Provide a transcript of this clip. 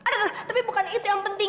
aduh tapi bukan itu yang penting